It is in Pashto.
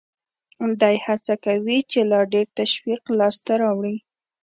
دی هڅه کوي چې لا ډېر تشویق لاس ته راوړي